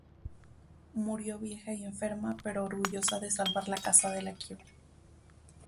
Murió vieja y enferma, pero orgullosa de salvar la casa de la quiebra.